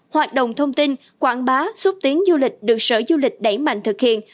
hoạt động thông tin quảng bá xúc tiến du lịch được sở du lịch đẩy mạnh thực hiện